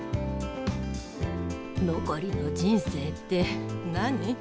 残りの人生って何。